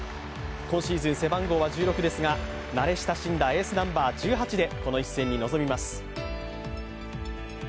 今シーズン背番号は１６ですが慣れ親しんだエースナンバー１８で、この一戦に臨みます。